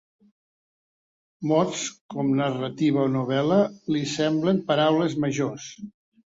Mots com narrativa o novel.la li semblen paraules majors.